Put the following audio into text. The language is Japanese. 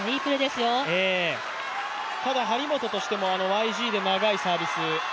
ただ張本としてもＹＧで長いサービス